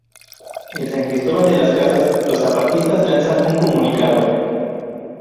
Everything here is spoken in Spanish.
En San Cristóbal de las Casas los zapatistas lanzan un comunicado.